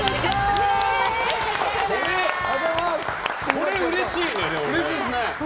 これ、うれしいね。